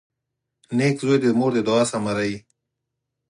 • نېک زوی د مور د دعا ثمره وي.